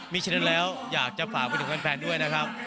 มีฉะนั้นแล้วอยากจะฝากไปถึงแฟนด้วยนะครับ